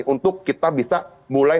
untuk kita bisa mulai